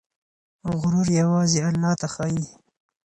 غرور يوازې الله ته ښايي.